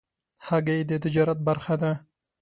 هګۍ د تجارت برخه ده.